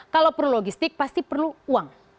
kalau perlu logistik pasti perlu uang